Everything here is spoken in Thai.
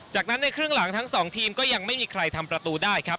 จากนั้นในครึ่งหลังทั้งสองทีมก็ยังไม่มีใครทำประตูได้ครับ